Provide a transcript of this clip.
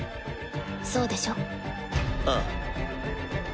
そうでしょ？ああ。